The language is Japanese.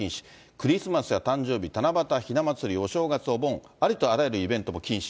クリスマス、誕生日、七夕、ひな祭り、お正月、お盆、ありとあらゆるイベントも禁止。